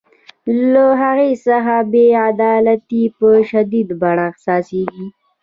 له هغې څخه بې عدالتي په شدیده بڼه احساسیږي.